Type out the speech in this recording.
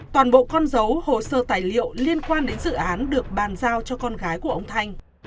toàn bộ con dấu hồ sơ tài liệu liên quan đến dự án được bàn giao cho con gái của ông thanh